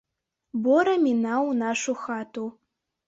Бора мінаў нашу хату.